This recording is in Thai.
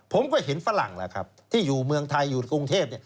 ผมก็เห็นฝรั่งแล้วครับที่อยู่เมืองไทยอยู่กรุงเทพ